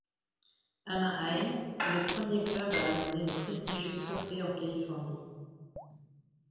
Anaheim est le premier club à amener le prestigieux trophée en Californie.